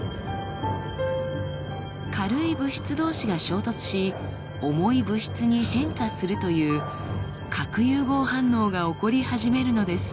軽い物質同士が衝突し重い物質に変化するという「核融合反応」が起こり始めるのです。